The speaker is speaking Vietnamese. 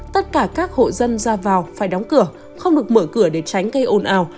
tất cả các hộ dân ra vào phải đóng cửa không được mở cửa để tránh gây ồn ào